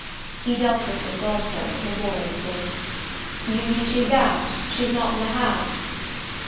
He dealt with this also, laboriously. "You mean she's out she's not in the house?"